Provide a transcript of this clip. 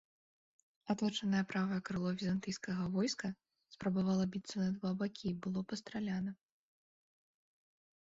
Аточанае правае крыло візантыйскага войска спрабавала біцца на два бакі і было пастраляна.